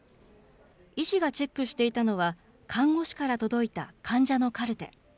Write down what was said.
医師がチェックしていたのは、看護師から届いた患者のカルテ。